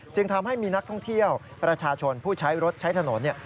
จึงทำให้มีนักท่องเที่ยวประชาชนผู้ใช้รถใช้ถนน